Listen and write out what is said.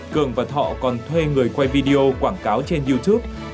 cường và thọ còn thuê người quay video quảng cáo trên youtube